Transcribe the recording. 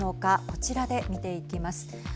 こちらで見ていきます。